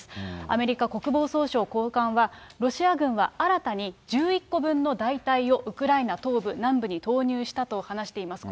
アメリカ国防総省高官は、ロシア軍は新たに１１個分の大隊をウクライナ東部、南部に投入したと話しています。